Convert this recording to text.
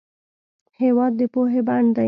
هېواد د پوهې بڼ دی.